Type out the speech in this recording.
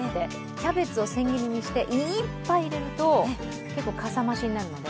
キャベツを千切りにしていっぱいいれると、かさ増しになるので。